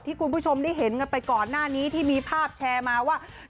คุณผู้ชมได้เห็นกันไปก่อนหน้านี้ที่มีภาพแชร์มาว่า